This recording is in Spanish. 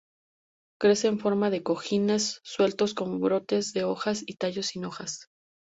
Crece en forma de cojines sueltos con brotes de hojas y tallos sin hojas.